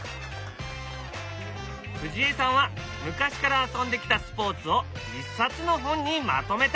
藤江さんは昔から遊んできたスポーツを一冊の本にまとめた。